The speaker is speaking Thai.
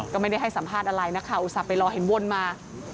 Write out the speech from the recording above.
ก็ไม่ได้ให้สัมภาษณ์อะไรนะคะอุตส่าห์ไปรอเห็นวนมา